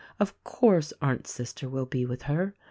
Of course, Arndt's sister will be with her.